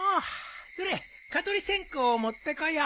どれ蚊取り線香を持ってこよう。